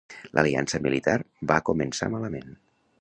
L'aliança militar va començar malament.